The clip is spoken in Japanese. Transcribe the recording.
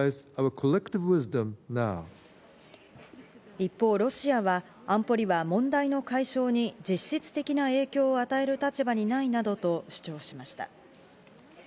一方ロシアは、安保理は問題の解消に実質的な影響を与える立場にないなどと主張しました。